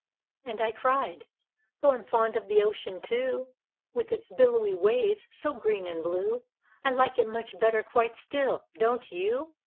And I cried, 'Though I'm fond of the ocean, too, With its billowy waves, so green and blue, I like it much better quite still, don't you?